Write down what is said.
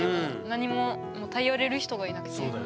何も頼れる人がいなくて。